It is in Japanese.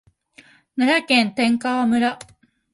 奈良県天川村